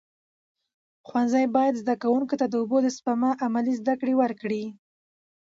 ښوونځي باید زده کوونکو ته د اوبو د سپما عملي زده کړه ورکړي.